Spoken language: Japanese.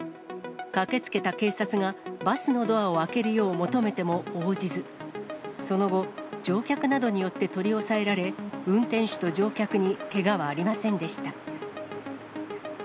駆けつけた警察が、バスのドアを開けるよう求めても応じず、その後、乗客などによって取り押さえられ、運転手と乗客にけがはありませんでした。